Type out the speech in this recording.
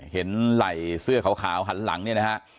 ไหล่เสื้อขาวหันหลังเนี่ยนะฮะ